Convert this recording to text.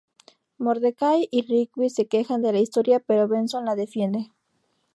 Mordecai y Rigby se quejan de la historia, pero Benson la defiende.